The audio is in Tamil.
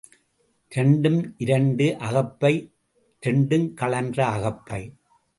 இரண்டும் இரண்டு அகப்பை இரண்டும் கழன்ற அகப்பை.